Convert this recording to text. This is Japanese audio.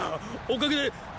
おかげで。